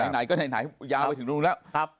ไหนก็ไหนยาวไปกว่านึงเลย